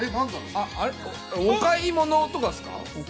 お買い物とかですか？